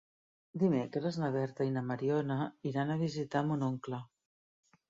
Dimecres na Berta i na Mariona iran a visitar mon oncle.